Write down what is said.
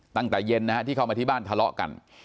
ตั้งแต่เย็นนะฮะที่เข้ามาที่บ้านทะเลาะกัน